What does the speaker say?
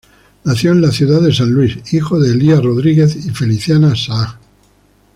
Nació en ciudad de San Luis, hijo de Elías Rodríguez y Feliciana Saá.